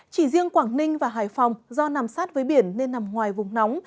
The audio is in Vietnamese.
chỉ riêng quảng ninh và hải phòng do nằm sát với biển nên nằm ngoài vùng nóng